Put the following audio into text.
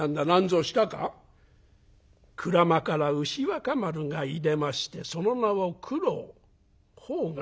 「鞍馬から牛若丸がいでましてその名を九郎判官」。